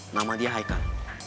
nama dia haikan